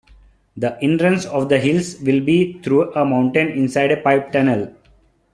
The inruns of the hills will be through a mountain inside a pipe tunnel.